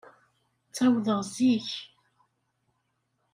Ttawḍeɣ zik.